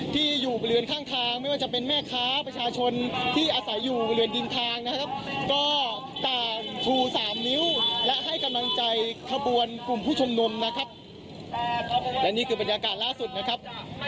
ที่อยู่บริเวณข้างทางไม่ว่าจะเป็นแม่ค้าประชาชนที่อาศัยอยู่บริเวณริมทางนะครับก็ต่างชูสามนิ้วและให้กำลังใจขบวนกลุ่มผู้ชมนุมนะครับและนี่คือบรรยากาศล่าสุดนะครับ